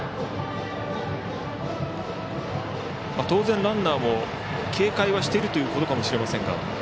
当然、ランナーも警戒しているということかもしれませんが。